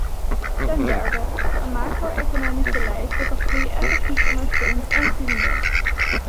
Ten derde: een macro-economisch beleid dat de groei effectief ondersteunt en stimuleert.